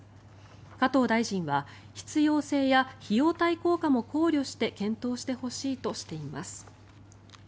加藤大臣は必要性や費用対効果も考慮して検討してほしいとしています。